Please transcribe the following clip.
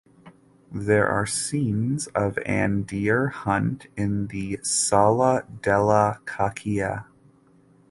There are scenes of an deer hunt in the "Sala della Caccia".